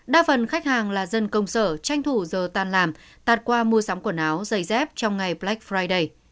đa phần khách hàng là dân công sở tranh thủ giờ tan làm tạt qua mua sắm quần áo giày dép trong ngày black friday